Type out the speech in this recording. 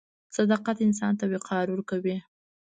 • صداقت انسان ته وقار ورکوي.